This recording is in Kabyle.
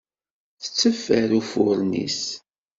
Tetteffer uffuren-is.